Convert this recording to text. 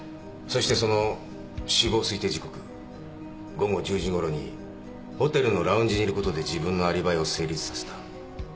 そしてその死亡推定時刻午後１０時頃にホテルのラウンジにいることで自分のアリバイを成立させた。